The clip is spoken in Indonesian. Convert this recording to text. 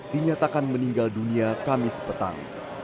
dinyatakan meninggal dunia kamis petang